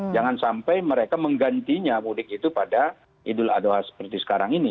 jangan sampai mereka menggantinya mudik itu pada idul adha seperti sekarang ini